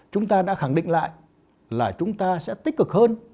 chúng ta đã khẳng định lại là chúng ta sẽ tích cực hơn